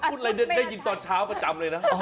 พูดอะไรได้ยินตอนเช้าประจำเลยนะ